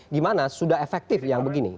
gimana sudah efektif yang begini